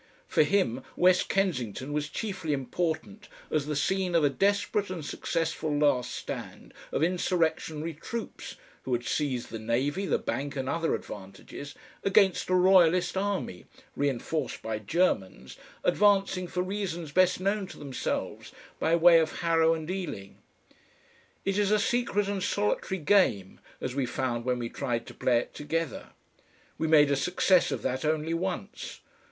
For him West Kensington was chiefly important as the scene of a desperate and successful last stand of insurrectionary troops (who had seized the Navy, the Bank and other advantages) against a royalist army reinforced by Germans advancing for reasons best known to themselves by way of Harrow and Ealing. It is a secret and solitary game, as we found when we tried to play it together. We made a success of that only once.